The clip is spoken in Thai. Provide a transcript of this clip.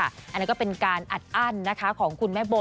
อันนั้นก็เป็นการอัดอั้นนะคะของคุณแม่โบ